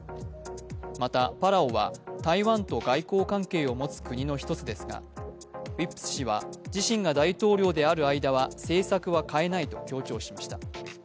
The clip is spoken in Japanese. またパラオは台湾と外交関係を持つ国の一つですが、ウィップス氏は自身が大統領である間は政策は変えないと強調しました。